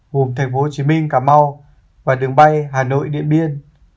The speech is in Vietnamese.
gồm tp hcm cà mau và đường bay hà nội điện biên